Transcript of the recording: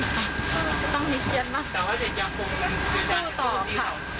ตอนนี้ต้องมีเกียรติมาก